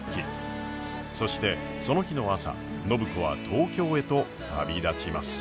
そしてその日の朝暢子は東京へと旅立ちます。